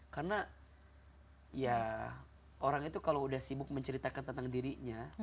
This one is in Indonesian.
karena ya orang itu kalau udah sibuk menceritakan tentang dirinya